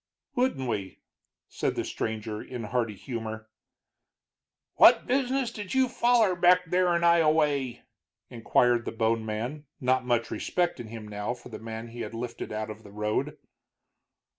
"Wouldn't we?" said the stranger, in hearty humor. "What business did you foller back there in Ioway?" inquired the bone man, not much respect in him now for the man he had lifted out of the road.